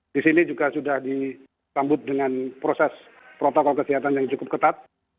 di sini juga sudah disambut dengan proses protokol kesehatan yang cukup ketat